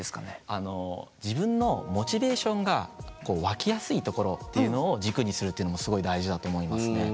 あの自分のモチベーションがこう湧きやすいところっていうのを軸にするっていうのもすごい大事だと思いますね。